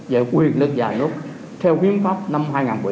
về quyền lực nhà nước theo khuyến pháp năm hai nghìn một mươi ba